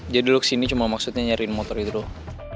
jadi lu kesini cuma maksudnya nyariin motor itu doang